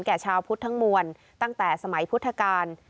ชาวพุทธทั้งมวลตั้งแต่สมัยพุทธกาล